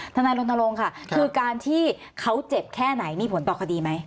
ท่านนายโดนทรงค่ะคือการที่เขาเจ็บแค่ไหนมีผลปกดีไหม